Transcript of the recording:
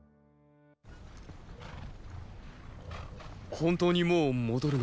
本当にもう戻るのか。